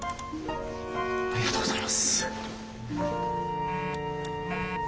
ありがとうございます！